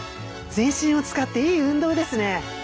全身を使っていい運動ですね。